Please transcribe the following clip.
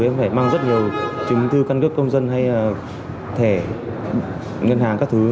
em phải mang rất nhiều chứng thư căn cước công dân hay là thẻ ngân hàng các thứ